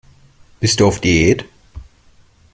Bist du auf Diät?